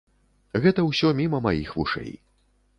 Гэта ўсё міма маіх вушэй.